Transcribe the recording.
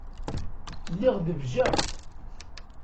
Lliɣ debjeɣ.